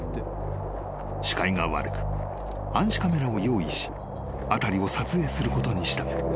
［視界が悪く暗視カメラを用意し辺りを撮影することにした］